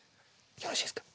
よろしいですか？